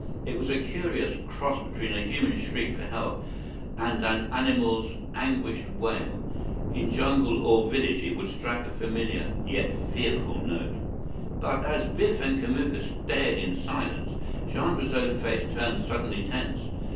It was a curious cross between a human shriek for help and an animal's anguished wail. In jungle or village, it would strike a familiar, yet fearful note. But as Biff and Kamuka stared in silence, Chandra's own face turned suddenly tense.